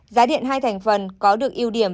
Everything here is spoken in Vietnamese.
giá điện hai thành phần có được yêu điểm